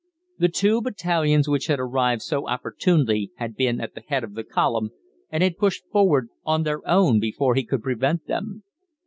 The two battalions which had arrived so opportunely had been at the head of the column, and had pushed forward "on their own" before he could prevent them.